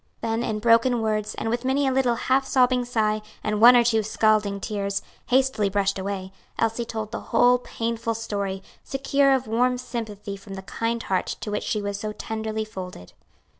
Then, in broken words, and with many a little half sobbing sigh and one or two scalding tears, hastily brushed away, Elsie told the whole painful story, secure of warm sympathy from the kind heart to which she was so tenderly folded.